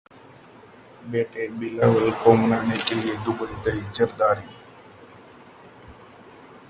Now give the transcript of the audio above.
बेटे बिलावल को मनाने के लिए दुबई गए जरदारी